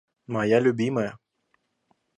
Моя любимая.